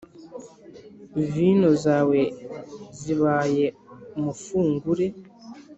vino zawe zibaye umufungure